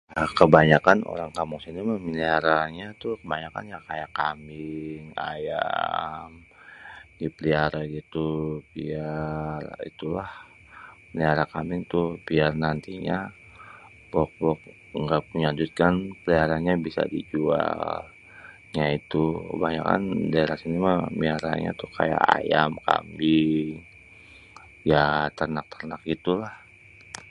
kebanyakan orang kampung sini tuh méliaranya ya kebanyakan mah kayak kambing, ayam dipeliara gitu, biar itu lah meliara kambing tuh biar nantinya pokpok ngga punya duid kan peliaranya bisa dijual. Ya itu kebanyakan daerah sini mah méliaranya kayak ayam kambing, yaa ternak-ternak itu lah.